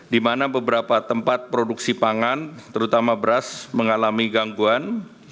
di mana beberapa tempat produksi pangan terutama beras mengalami gangguan